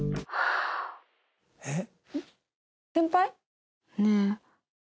えっ？